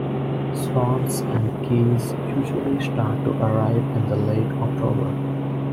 Swans and geese usually start to arrive in late October.